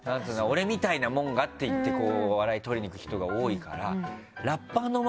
「俺みたいなもんが」っていって笑い取りにいく人が多いから。